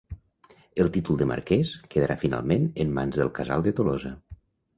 El títol de marquès quedarà finalment en mans del casal de Tolosa.